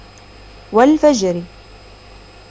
وَالْفَجْرِ